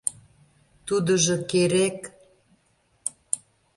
— Тудыжо керек...